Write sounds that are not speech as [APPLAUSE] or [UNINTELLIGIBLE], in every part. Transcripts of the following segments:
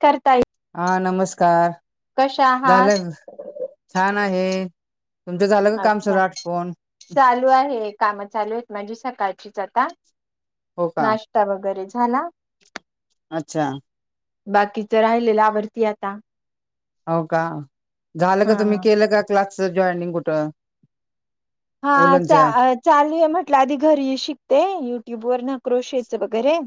करताय हा नमस्कार! कशा आहात? झालं छान आहे तुमचं झालं का काम अच्छा सगळं आटपून? चालूयत म्हणजे सकाळचीच आता हो का नाश्ता वगैरे झाला अच्छा! बाकीच राहिलेलं आवरतीय आता हो का झालं का हा तुम्ही केलं का क्लासच जॉईनिंग कुठं? हा उलनच्या चालू आहे म्हटलं आधी घरी शिकते युट्यूबवरनं क्रोशेच वगैरे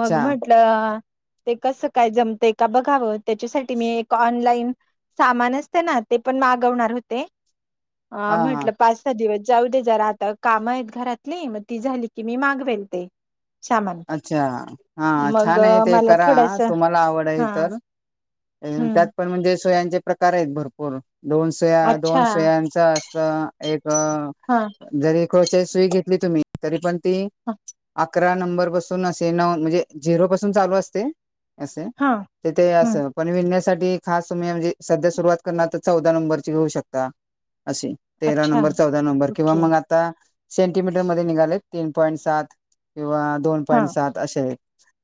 मग म्हंटलं ते कसं काय जमतंय का बघावं त्याच्यासाठी मी एक ऑनलाईन सामान असते ना ते पण मागवणार होते अ हा हा. म्हटलं पाच सहा दिवस जाऊ दे जरा आता काम आहेत घरातली मग ती झाली की मी मागवेल ते सामान अच्छा हा मग छान आहे ते मला करा थोडस तुम्हाला आवड आहे हा तर त्यात हम्म, पण म्हणजे सोयांचे प्रकार आहेत भरपूर दोन सुया अच्छा दोन सुयांचा असत एक हा जरी [UNINTELLIGIBLE] सुई घेतली तुम्ही तरी पण ती हा अकरा नंबर [UNINTELLIGIBLE] म्हणजे झिरो पासून चालू असतंय हा तर ते हम्म, असं पण [UNINTELLIGIBLE] [UNINTELLIGIBLE] खास तुम्ही म्हणजे सध्या सुरुवात करणार तर चौदा नंबरची [UNINTELLIGIBLE] शकता असे तेरा अच्छा नंबर चौदा नंबर किंवा ओके मग आता सेंटीमीटर मध्ये निघाले तीन पॉईंट सात किंवा दोन हा पॉईंट सात असे आहे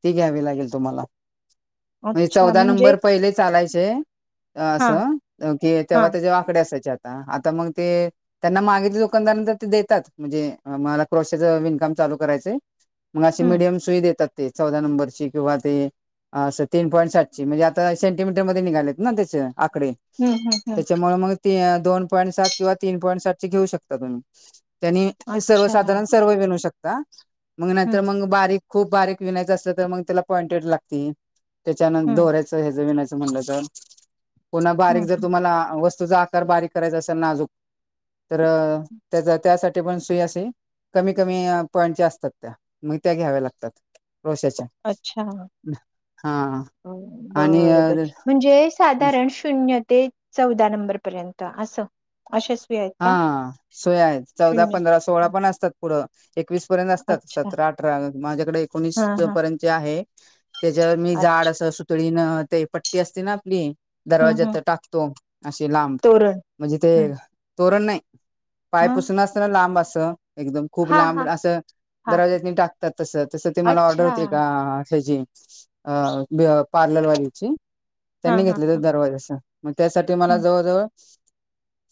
ती घ्यावी लागेल तुम्हाला म्हणजे अच्छा चौदा म्हणजे नंबर पहिले चालायची चे हा असं कि हा तेव्हा त्याच्या वाकडे्या असायच्या आता मग ते त्यांना मागित दुकानदार देतात म्हणजे मला [UNINTELLIGIBLE] विणकाम चालू करायचंय मग अशी हम्म मिडीयम सुई देतात ते चौदा नंबरची किंवा ते असं तीन पॉईंट साठची म्हणजे आता सेंटीमीटर मध्ये निघालेत ना त्याच आकडे हम्म हम्म हम्म त्याच्यामुळे मग ते दोन पॉईंट सात किंवा तीन पॉईंट सात चे घेऊ शकता तुम्ही [UNINTELLIGIBLE] त्यांनी अच्छा सर्वसाधारण हम्म सर्व विनू शकता मग नाहीतर मग बारीक खूप बारीक विनायचं असलं तर मग त्याला पॉइंटेड लागती त्याच्या [UNINTELLIGIBLE] हम्म दोऱ्याचं ह्याचं विणायच [UNINTELLIGIBLE] पुन्हा हम्म बारीक जर हम्म तुम्हाला वस्तूचा आकार बारीक करायचा असेल नाजूक तर त्याचा त्यासाठी पण सुई असे कमी कमी पॉईंटच्या असतात त्या मग त्या घ्याव्या लागतात [UNINTELLIGIBLE] हा आणि बर बर म्हणजे साधारण शून्य ते चौदा नंबर पर्यंत असं [UNINTELLIGIBLE] हा [UNINTELLIGIBLE] चौदा शून्य पंधरा सोळा हं, पण असतात पुढं एकवीस पर्यंत असतात अच्छा सतरा अठरा माझ्याकडे हा एकोणीस हा पर्यंतच्या आहे त्याच्यावर मी [UNINTELLIGIBLE] अच्छा असं सुतळीनं ते पट्टी असते ना आपली हम्म हम्म दरवाज्यात टाकतो असे लांब तोरण म्हणजे ते हम्म तोरण नाही मग पायपुसण असतना लांब असं एकदम खूप हा लांब हा असं हा दरवाज्यात [UNINTELLIGIBLE] टाकतात तस तसं ते मला ऑर्डर अच्छा होते का [UNINTELLIGIBLE] अ पार्लरवालीची हा त्यांनी हा घेतले त हा दरवाजा अस मग त्यासाठी मला हम्म जवळजवळ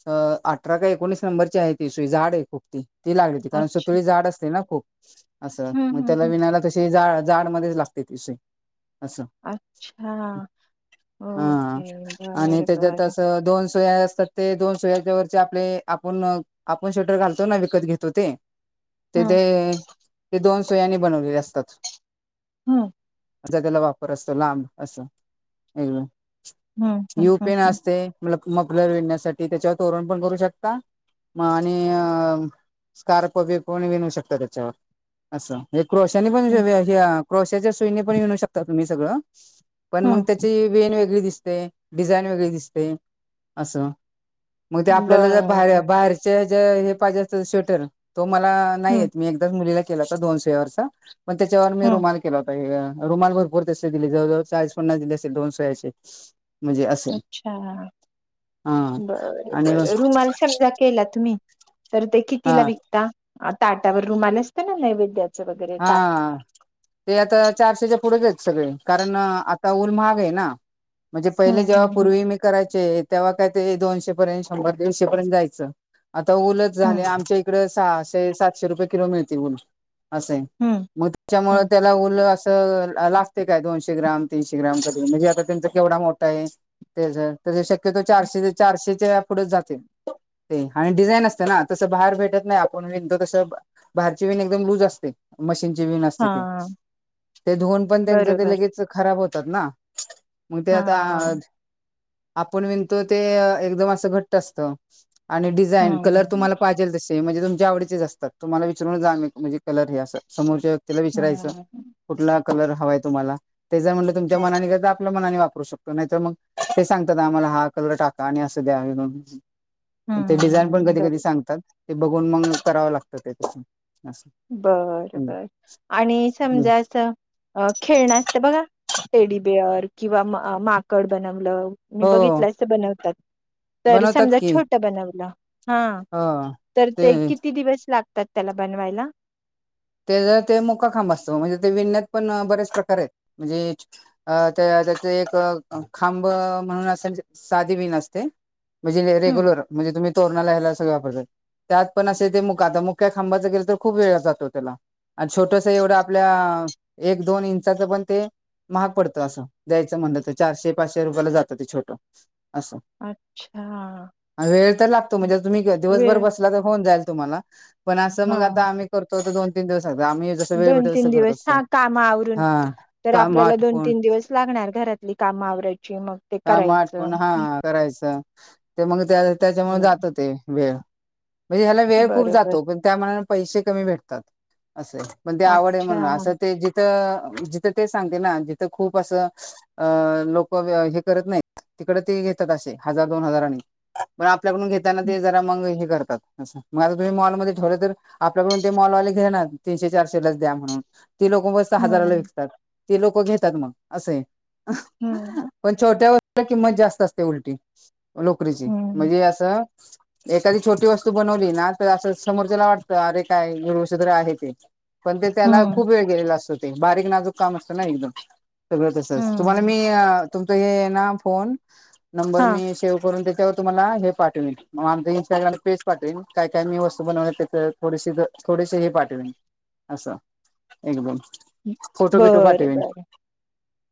अ अठरा ते एकोणीस नंबरची आहे ती सुई जाड आहे खूप ती ती लागली होती कारण अच्छा सुतळी जाड असते ना खूप असं हम्म मग हम्म हम्म त्याला विनायला तशी जा जाड मध्येच लागते ती सुई असं अच्छा हा ओके आणि बरं त्याच्यात बरं अस दोन सुया अस सत ते दोन सोयाच्या वरचे आपले आपण आपण शटर घालतो ना विकत घेतो ते हं तेथे ते दोन सोयानी बनवलेले असतात हम असचा त्याला वापर असतो लांब असं. हं हं यू हं पीन हं असते मफलर विणण्यासाठी त्याच्यावर तोरण पण करू शकता. म आणि स्कार्प बी पण विनू शकत त्याच्यावर असं म्हणजे. क्रोश्याने [UNINTELLIGIBLE] पण हं क्रोशाच्या सुईने पण विनू शकता तुम्ही सगळं. पण मग हं त्याची वेण वेगळी दिसते, डिझाईन वेगळी दिसते असं. मग ते आपल्याला जर बाहेर बरं बाहेरचे जे हे पाहिजे असत स्वेटर. तो मला नाही हं येत मी एकदाच मुलीला केला होता दोनशे वर्ष पण त्याच्यावर मी हं रुमाल केला होता. रुमाल भरपूर तसे दिले जवळजवळ चाळीस, पन्नास दिले असेल दोन सुरांचे. अच्छा हा बर, आणि बर रुमाल समजा केला तुम्ही तर हा तिला विकता ताटावर रूम आला असते ना नैवेद्यात, हा ते आता चारशेच्या पुढेच आहेत. सगळे कारण आता ऊल महाग आहे ना, म्हणजे हं पहिले जेव्हा हं हं पूर्वी मी कराय ते तेव्हा काय ते दोनशे पर्यंत शंभर दीडशे पर्यंत जायचं. आता ऊलच झाले हं आमच्या इकडं सहाशे सातशे रुपये किलो मिळतील ऊल असं आहे हं मग त्याच्यामुळे हं त्याला उल अस लागते काय दोनशे ग्राम तीनशे ग्राम कधी म्हणजे आता त्यांचा केवढा मोठा आहे. ते तर शक्यतो चारशे चारशेच्या पुढेच जातील. ते आणि डिझाईन असतें ना तसं बाहेर भेटत नाही आपण विणतो तस बाहेरची विण एकदम लूज असते. मशीनची विण असते ते हां ते धुऊन पण त्यांच ते बरोबर लगेच खराब होत. ना मग ते आता हां आपण विणतो ते एकदम असं घट्ट असत. आणि डिझाईन कलर हं तुम्हाला पाजेल तसे म्हणजे तुमच्या आवडीचेच असतात. तुम्हाला विचरून जाग म्हणजे, कलर हे समोरच्या व्यक्तीला विचरायचं हं कुठला कलर हवा आहे तुम्हाला. तेचं म्हटलं तुच्या अच्छा मनाने दाखवलं. म वापरू शकतो नाही तर मग, ते सांगतात आम्हाला हा कलर टाका आणि असं द्यावे विणुन ते डिझाईन पण हं कधी बरोबर कधी सांगतात ते बघून मग करावं लागतं ते असं. बर बर आणि समजा असं खेळणं असतं बघा, टेडीबेअर किंवा माकड बनवलं. मी हो बघितलं अस बनवतात तर बनवतात समजा की छोट बनवलं हा हो तर ते किती दिवस लागतात त्याला बनवायला? ते जर ते मुकाखांब असतो म्हणजे ते विणण्यात पण बरेच प्रकार आहेत. म्हणजे त्या, त्यात एक खांब म्हणून अस साधी वीन असते. म्हणजे हं, रेग्युलर म्हणजे तुम्ही तोरणाला हयला सगळे वापरतात. त्यात पण असे ते मुक आता मुख्या खांबाचं केल तर खूप वेळ जातो. त्याला आणि छोटस एवढं आपल्या एक दोन इंचाच पण ते. महाग पडतं असं जायचं म्हणलं तर चारशे पाचशे रुपयाला जातं ते छोटं असं अच्छा. वेळ तर लागतो म्हणजे, तुम्ही दिवसभर वेळ बसला तर होऊन जाईल. तुम्हाला पण अस मग आता आम्ही करतोत दोन तीन दिवस लागतात. आम्ही जसं वेळ दोन भेटेल तीन तसं करत दिवस असतो हा कामावरून हा तर काम आपल्याला दोन आटपून तीन दिवस लागणार घरातली काम आवरायची मग. ते का करायचं. आटपुन हा हं, करायचं ते मग त्या त्याच्यामुळे हं. जात ते वेळ म्हणजे ह्याला वेळ खूप बरोबर जातो पण, त्यामानाने पैसे कमी भेटतात. असं आहे पण ते आवड आहे अच्छा. म्हणून असं ते जिथं, जिथं ते सांगते ना जिथं खूप असं अ लोक करत नाही तिकड ते घेतात असे हजार दोन हजाराने पण आप आपल्याडून घेताना हं, ते जरा मग हे करत मग आता तुम्ही मॉलमध्ये ठेवलं तर आपल्याकडून ते मॉलवाले घेणार तीनशे, चारशे लाच द्या म्हणून. ते लोक मस्त हजाराला हं, विकतात, ते लोकं घेतात मग असं हं. पण छोट्या व किंमत जास्त असते उलटी लोकरीची हं. म्हणजे असं एखादी छोटी वस्तू बनव ना असं समोरच्याला वाटतं अरे काय गुरषध्र आहे ते, पण ते त्याला हम्म खूप वेळ गेलेला असतो, ते बारीक नाजूक काम असतं ना एकदम सगळं तसच तुम्हाला हम्म मी तुमच हे ना फोन नंबर हां. मी सेव करून त्या, त्यावर तुम्हाला हे पाठवन मग आमं इं्स्टाग्राम पेज पाठवेल काय काय मी वस्तू बनवल्यात त्याच थोडीशी थोडेसे हे पाठले असं एकदम फोटो बिटो बरं पाठवेन बरं.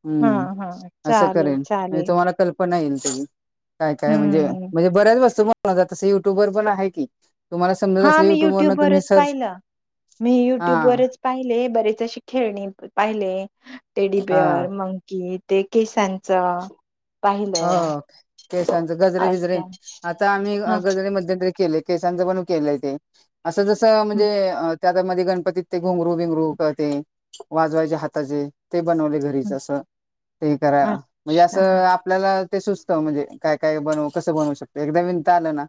हम्म हां हां. असं चालेल करेन चालेल. तुम्हाला क पण येईल काय काय म्हणजे हम्म. म्हणजे बऱ्याच वस्तूत तस युट्युबर पण आहे की तुम्हाला समजत हा असलं मी युट्यूब वरन तुम्ही युट्यूबवरच सर्च पाहिलं मी हा युट्यूब वरच पाहिले बरेचशी खेळणी पाहिले हा टेडीबिअर मंकी ते केसांच हो केशांच गजरे विजरे असं. आता आम्ही हां. गजरे मध्यरी केलयण केय ते असं जस हं म्हणजे त्या त्यामध्ये गणपतीत ते घुंगरू बिंगरू करते वाजवायचे हाताचे ते बनवले घरीच हं. असं ते करा म्हणजे अच्छा. असं आपल्याला ते सुस्त म्हणजे काय काय बनवू कसं बनवू शकत एकदा विनता आलं ना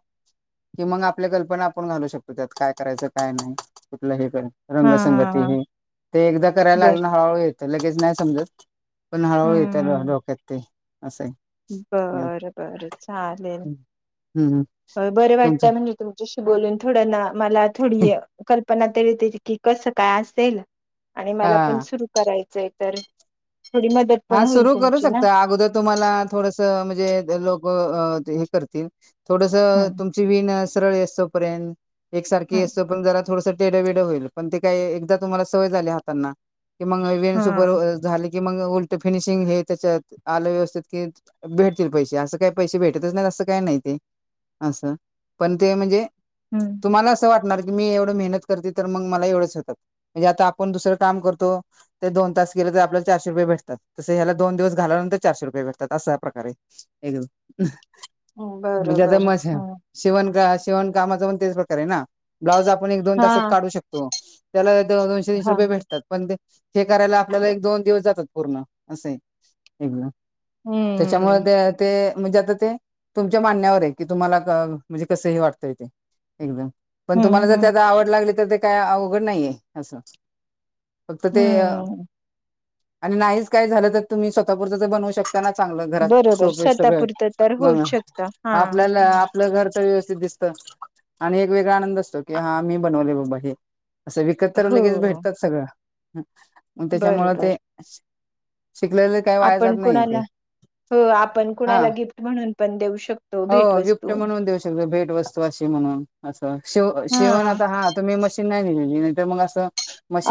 कि मग आपल्या कल्पना आपण घालू शकतो त्यात काय करायचं काय नाही कुठलं हे करायच रंगसंगती हां. हे ते एकदा करायला बरं. लागलं हळूहळू येतं लगेच नाही समजत पण हळूहळू येत डोक्यात ते असं बर बर चालेल हम्म हो बरे वाटत तुमचं म्हणजे तुमच्याशी बोलून थोडं ना मला थोडी कल् पण आता की कस काय असेल आणि हा मला पण सुरू करायचंय तर थोडी मदत पण हा होईल सुरू करू तुमची ना. शकता अगोदर तुम्हाला थोड म्हणे लोक कर थोड हम्म तुम वीणा येईस्तोवर एकसारखी हम्म येस्तोपरयंत तेड वेड होईल पण ते काय एकदा तुम्हाला सवय झाली हाताना की मग विन सुपर हम्म झाले की मग उल फिनिशिंग हे त्याच्यात आलं व्यवस्थेत कि भेटतील पैसे असं काही पैसे भेटतच नाही असं काही नाही ते असं पण ते म्हणजे हम्म तुम्हाला असं वाट होणार की मग आपण एवढे काम करतो तर आपला चारशे रुपये पये भेतात तस ह्याला दोन दिवस घाल्यानंतर चारशे रुपये भेटतात असाा प्रकारे एकम म्हणजे आता बरोबर मस हम्म शिवण शिवण कामाच पण तेच प्रकार आहे ना ब्लाउज आप ण एक दोन हा तासात काढू शकतो त्याला दोनशे तीनशे हा रुपये भेटतात पण ते हे करायला आपल्याला एक दोन दिवस जातात पूर्ण असे एकदा त्याच्यामुळे हम्म ते ते म्हणजे आता ते तुमच्या मानण्यावर आहे की तुम्हाला म्हणजे कसंही वाटतय ते एकदम पण हम्म तुम्हाला जर हम्म त्याता आवड लागली तर ते काय अवघड नाहीय असं फक्त ते हम्म आणि नाहीच काय झालं तर तुम्ही स्वतःपूरतच बनवू शकता त्यांना चांगलं घरात बरोबर सोपे सगळं स्वतःपुरतं तर मग होऊच शकत हा आपल्याला हम्म. आपलं घर तर दिसत आणि एक वेगळा आनंद असतो की हा मी बनवले बाबा हे असं विकत तर हो लगेच भेटतात सगळं मग त्याच्यामुळ बरोबर ते शिकलेले काही वाया जात आपण नाही कुणाला ते हो आपण हा कुणाला गिफ्ट म्हणून पण देऊ शकतो हो गिफ्ट भेटवस्तू म्हणून देऊ शकत भेट वस्तू अशी म्हणून अस शव हा शेवण आता हा तुम्ही मशीन नाहीलेली नाहीर मग असं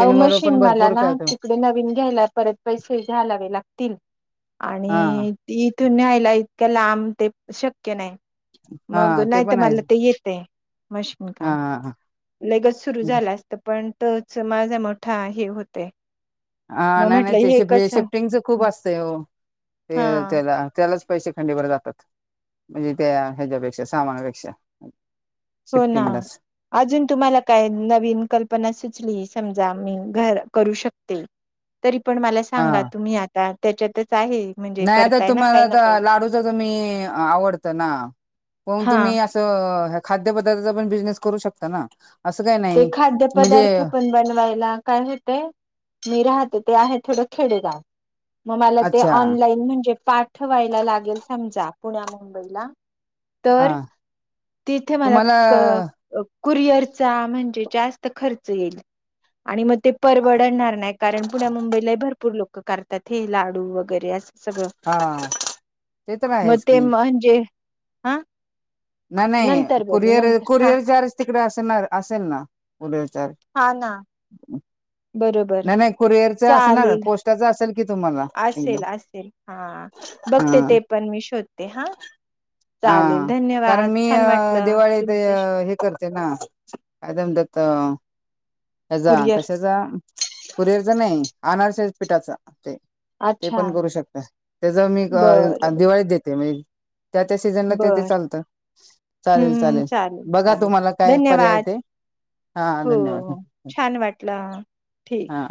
अहो मशीन पण मला भरपूर ना कळत तिकडे नवीन घ्यायला परत पैसे हलावे लागतील हा आणि ती इथून न्यायला इतक्या लांब ते शक्य नाही मग हा ते नाही तर पण आहे मला ते येतय मशीन हा काम हा हा लगच सुरू म्हणजे झालं असत पण तच माझा मोठा हे होतंय. हा नाही नाही ते शि्ट शिफ्टिंगच खूप असतं हो हा ते त्याला त्यालाच, पैसे खंडीवरर जातात म्हणजे त्या ह्याच्यापेक्षा सामानापेक्षा. हो ना शिफ्टिंगलाच अजून तुम्हाला काय नवीन कल्पना सुचलीये. समजा मी घरी करू शकते, तरी पण मला हा सांगा तुम्ही आता त्याच्यात नाही आता तुम्हाला तर लाडूच त मी आवडतं ना. मग हा तुम्ही असं खाद्यपदार्थाचा पण बिझनेस करू शकता ना. असं काही ते नाही खाद्य पदार्थ म्हणजे पण बनवायला काय होतेय, मी राहते ते आहे थोड खेडेगाव मग मला ते अच्छा ऑनलाईन म्हणजे पाठवायला लागेल समजा. पुण्या मुंबईला हा तर तिथे मला तुम्हाला कुरिअरचा म्हणजे जास्त खर्च येईल आणि म. ते परवडणार नाही कारण पुण्या मुंबईला भरपूर लोक करतात हे लाडू वगैरे अस सगळं हा ते तर मग आहेच ते की म्हणजे हा नाही नाही नंतर बोलू कुरिअर नंतर हा कुरिअर जारच तिकडे असणार अस. ना पुढ विचार हा ना बरोबर असणार चालेल. पोस्टाच असेल की तुम्हाला असेल एकदम असेल हा बघते ते पण मी शोधते हा. ह चालेल कारण धन्यवाद मी छान वाटलं दिवाळीत तुमच्याशी हे करते ना अदम द त. याचा कुरिअर कशाचा कुरियर चा नाही आनारशा चा पीठाचा ते. ते अच्छा पण करू शकता त्याचा मी बरं दिवाळीत देते म्हणजे. त्या त्या सीझनला तेथे बर चालतं चालेल हम्म चालेल बघा चालेल तुम्हाला काय पर्याय धन्यवाद ते. हा हो धन्यवाद. हो छान वाटलं. ठीक हा.